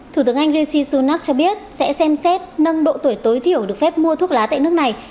thủ tướng anh rishi sunak cho biết sẽ xem xét nâng độ tuổi tối thiểu được phép mua thuốc lá tại nước này